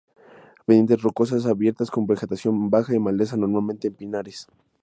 Pendientes rocosas abiertas con vegetación baja y maleza, normalmente en pinares.